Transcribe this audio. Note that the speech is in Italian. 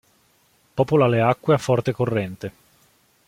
Popola le acque a forte corrente.